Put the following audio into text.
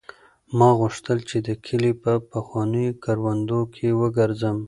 ما غوښتل چې د کلي په پخوانیو کروندو کې وګرځم.